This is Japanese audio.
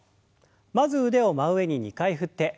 まず腕を真上に２回振って。